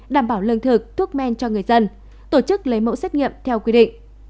đảm bảo lương thực thuốc men cho người dân tổ chức lấy mẫu xét nghiệm theo quy định